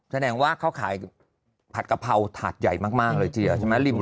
แสดงว่าเขาขายผัดกะเพราถาดใหญ่มากเลย